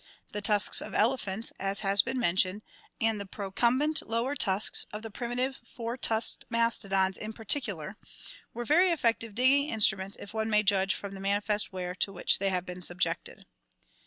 The tusks of the elephants, as has been mentioned, and the procum bent lower tusks of the primitive four tusked mastodons in partic ular, were very effective digging instruments if one may judge from the manifest wear to which they have been subjected.